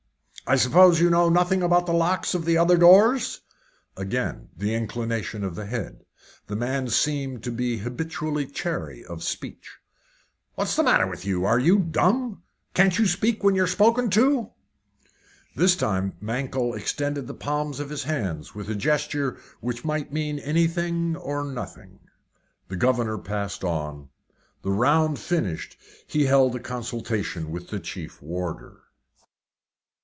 "I suppose you know nothing about the locks of the other doors?" Again the inclination of the head. The man seemed to be habitually chary of speech. "What's the matter with you? Are you dumb? Can't you speak when you're spoken to?" This time Mankell extended the palms of his hands with a gesture which might mean anything or nothing. The governor passed on. The round finished, he held a consultation with the chief warder.